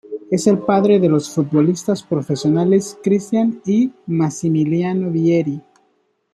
Es el padre de los futbolistas profesionales Christian y Massimiliano Vieri.